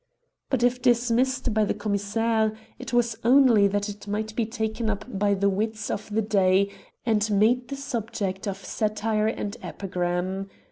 But if dismissed by the Commissaire, it was only that it might be taken up by the wits of the day and made the subject of satire and epigram.